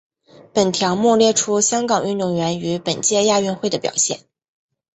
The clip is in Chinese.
本条目列出香港运动员于本届亚运会的表现。